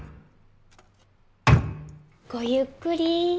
ごゆっくり。